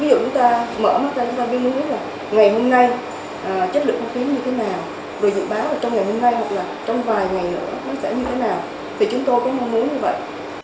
thì chúng tôi cũng mong muốn như vậy